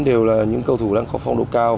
đều là những cầu thủ đang có phong độ cao